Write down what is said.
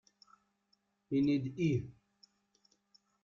Ini-d ih!